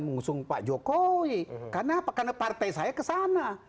mengusung pak jokowi karena apa karena partai saya kesana